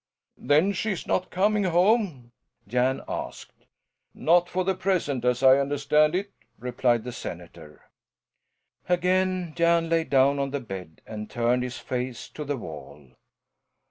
"Then she's not coming home?" Jan asked. "No, not for the present, as I understand it," replied the senator. Again Jan lay down on the bed and turned his face to the wall.